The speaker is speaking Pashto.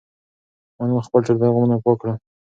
ما نن خپل ټول پیغامونه پاک کړل.